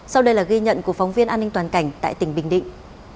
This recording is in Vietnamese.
sau đây là ghi nhận của phóng viên an ninh toàn cảnh tại tỉnh bình định